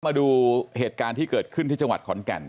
มาดูเหตุการณ์ที่เกิดขึ้นที่จังหวัดขอนแก่น